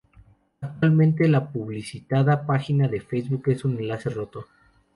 Actualmente la publicitada página de Facebook es un enlace roto.